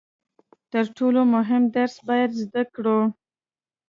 تر ټولو مهم درس باید زده یې کړو.